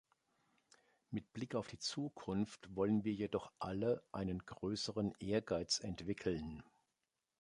Mit Blick auf die Zukunft wollen wir jedoch alle einen größeren Ehrgeiz entwickeln.